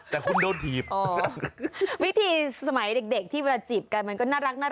แต่คุณโดนถีบวิธีสมัยเด็กที่เวลาจีบกันมันก็น่ารักน่า